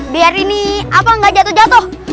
biar ini gak jatuh jatuh